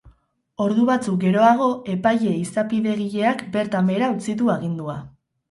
Ordu batzuk geroago, epaile izapidegileak bertan behera utzi du agindua.